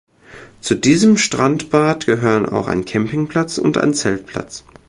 Zu diesem Strandbad gehören auch ein Campingplatz und ein Zeltplatz.